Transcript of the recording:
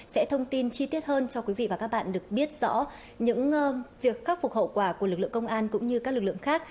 sẽ thông tin chi tiết hơn cho quý vị và các bạn được biết rõ những việc khắc phục hậu quả của lực lượng công an cũng như các lực lượng khác